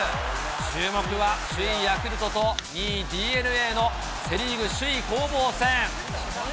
注目は首位ヤクルトと、２位ＤｅＮＡのセ・リーグ首位攻防戦。